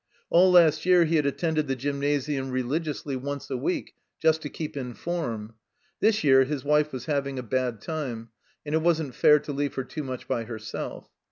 . All last year he had attended the Gymnasitmi religiously once a week, just to keep in form. This year his wife was having a bad time, and it wasn't fair to leave her too much by herself.